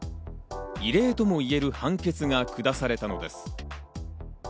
異例ともいえる判決が下されたのです。